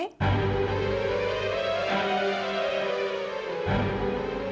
ya maksudnya kita harus mengambil perempuan itu ke sini